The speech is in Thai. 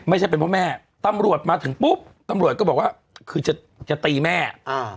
ไม่ใช่เป็นเพราะแม่ตำรวจมาถึงปุ๊บตำรวจก็บอกว่าคือจะจะตีแม่อ่า